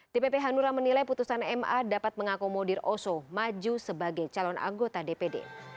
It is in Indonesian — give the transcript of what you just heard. dpp hanura menilai putusan ma dapat mengakomodir oso maju sebagai calon anggota dpd